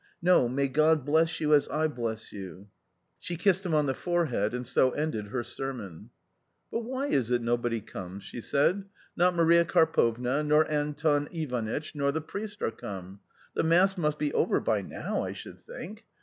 No, may God bless you as I bless you !" She kissed him on the forehead and so ended her sermon " But why is it nobody comes ?" she said. " Not Maria Karpovna, nor Anton Ivanitch nor the priest are come. The mass must be over by now, I should think.